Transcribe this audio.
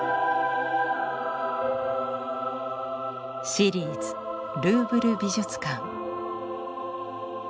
「シリーズルーブル美術館」。